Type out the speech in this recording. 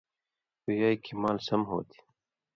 پویائ کھیں مال سم ہوتھی۔